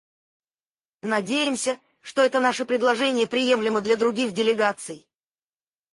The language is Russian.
Надеемся, что это наше предложение приемлемо для других делегаций.